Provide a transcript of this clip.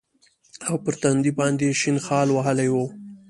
او پر تندي باندې يې شين خال وهلى و.